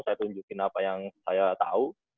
saya tunjukin apa yang saya tahu